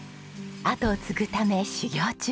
後を継ぐため修行中。